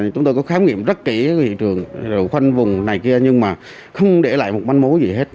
chúng tôi có khám nghiệm rất kỹ hiện trường rồi khoanh vùng này kia nhưng mà không để lại một manh mối gì hết